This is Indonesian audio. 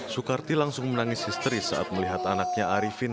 soekarti langsung menangis histeris saat melihat anaknya arifin